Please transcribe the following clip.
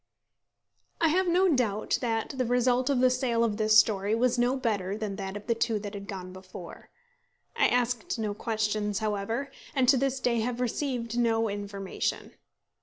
I have no doubt that the result of the sale of this story was no better than that of the two that had gone before. I asked no questions, however, and to this day have received no information.